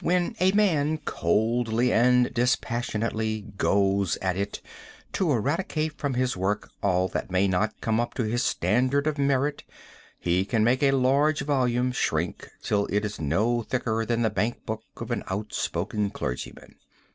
When a man coldly and dispassionately goes at it to eradicate from his work all that may not come up to his standard of merit, he can make a large volume shrink till it is no thicker than the bank book of an outspoken clergyman.